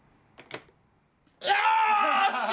よし！